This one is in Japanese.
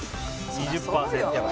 ２０％。